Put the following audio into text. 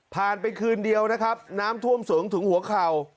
ไปคืนเดียวนะครับน้ำท่วมสูงถึงหัวเข่า